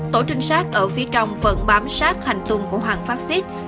tổ trinh sát ở phía trong vẫn bám sát hành tung của hoàng phát xít